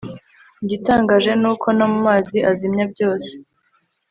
igitangaje ni uko no mu mazi azimya byose